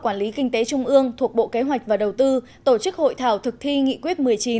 quản lý kinh tế trung ương thuộc bộ kế hoạch và đầu tư tổ chức hội thảo thực thi nghị quyết một mươi chín